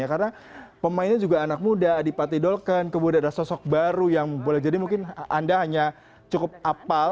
karena pemainnya juga anak muda adipati dolken kemudian ada sosok baru yang boleh jadi mungkin anda hanya cukup apal